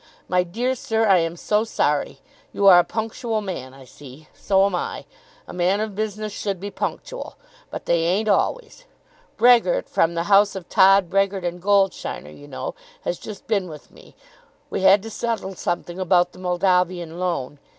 "My dear sir, I am so sorry. You are a punctual man I see. So am I. A man of business should be punctual. But they ain't always. Brehgert, from the house of Todd, Brehgert, and Goldsheiner, you know, has just been with me. We had to settle something about the Moldavian loan.